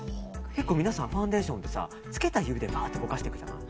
結構皆さんファンデーションってつけた指でぼかしていくじゃない。